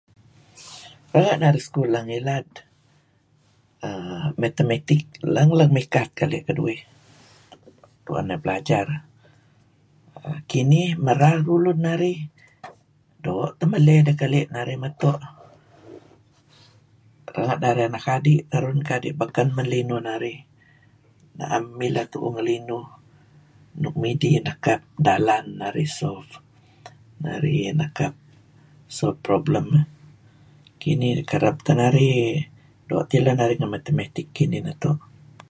"Renga' narih sekolah ngilad err Mathemetic lang-lang mikat keli' keduih tuen narih belajar. Kinih, merar ulun narih doo' teh meley dih kali' narih meto'. Renga' narih anak adi' terun kadi' beken men linuh narih na'em mileh tuuh ngelinuh nuk midih nekap dalan narih ""solve"" narih nekap ""solve problem"" eh. Kinih kereb teh narih, doo' teh ileh narih Mahemetic kinih meto'."